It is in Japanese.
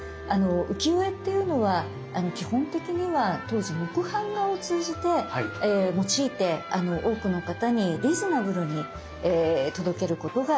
浮世絵っていうのは基本的には当時木版画を用いて多くの方にリーズナブルに届けることができた。